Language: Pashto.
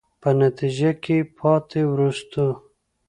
په نتیجه کې پاتې، وروستو.